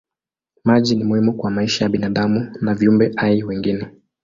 Maji ni muhimu kwa maisha ya binadamu na viumbe hai wengine.